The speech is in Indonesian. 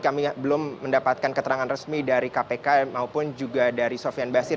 kami belum mendapatkan keterangan resmi dari kpk maupun juga dari sofian basir